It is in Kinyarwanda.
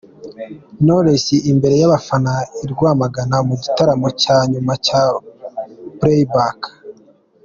Knowless imbere y’abafana i Rwamagana mu gitaramo cya nyuma cya Playback.